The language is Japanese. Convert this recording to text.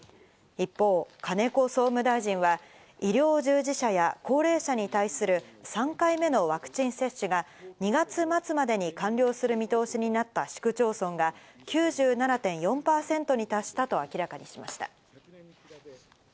一方、金子総務大臣は医療従事者や高齢者に対する３回目のワクチン接種が２月末までに完了する見通しになった市区町村が９７．４％に達したと明らかにしました。